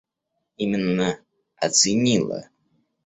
Именно оценила.